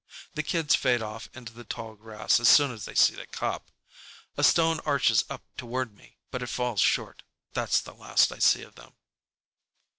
The kids fade off into the tall grass as soon as they see the cop. A stone arches up toward me, but it falls short. That's the last I see of them.